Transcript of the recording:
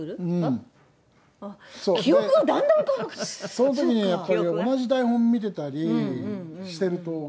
その時にやっぱり同じ台本見てたりしてると。